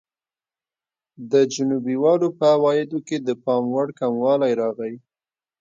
د جنوبي والو په عوایدو کې د پاموړ کموالی راغی.